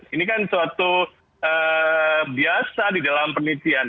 ini kan suatu biasa di dalam penelitian